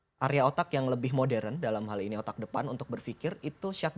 dan ketika fear aktif area otak yang lebih modern dalam hal ini otak depan untuk berfikir ini akan berubah menjadi fear